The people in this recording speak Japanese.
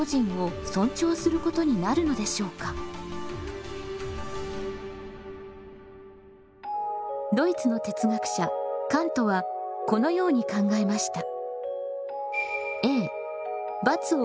規則の範囲内でドイツの哲学者カントはこのように考えました。